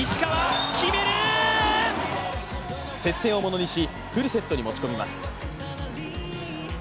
接戦をものにしフルセットに持ち込みます。